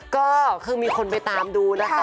ก็คือมีคนไปตามดูนะคะ